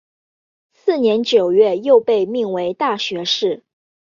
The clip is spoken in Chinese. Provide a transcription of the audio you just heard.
次年九月又被命为大学士。